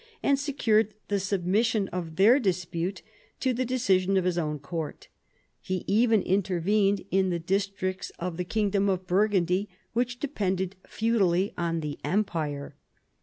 and secured the submission of their dispute to the decision of his own court. He even intervened in the districts of the kingdom of Burgundy I THE FRANKISH MONARCHY 13 which depended feudally on the empire.